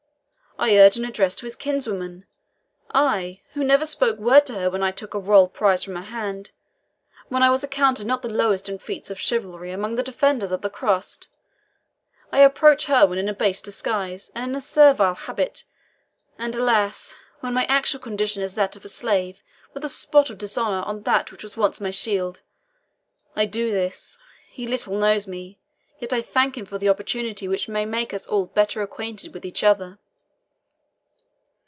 I urge an address to his kinswoman! I, who never spoke word to her when I took a royal prize from her hand when I was accounted not the lowest in feats of chivalry among the defenders of the Cross! I approach her when in a base disguise, and in a servile habit and, alas! when my actual condition is that of a slave, with a spot of dishonour on that which was once my shield! I do this! He little knows me. Yet I thank him for the opportunity which may make us all better acquainted with each other."